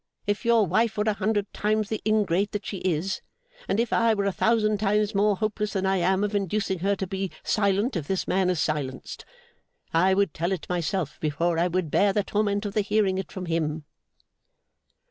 If your wife were a hundred times the ingrate that she is, and if I were a thousand times more hopeless than I am of inducing her to be silent if this man is silenced, I would tell it myself, before I would bear the torment of the hearing it from him.